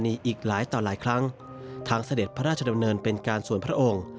มีอีกหลายต่อหลายครั้งทั้งเสด็จพระราชดำเนินเป็นการส่วนพระองค์